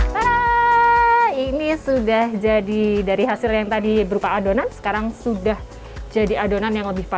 nah ini sudah jadi dari hasil yang tadi berupa adonan sekarang sudah jadi adonan yang lebih pas